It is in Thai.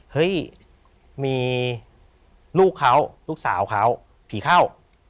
เฮ้ยมีลูกเขาลูกสาวเขาผีเข้า